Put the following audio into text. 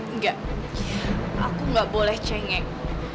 enggak aku gak boleh cengeng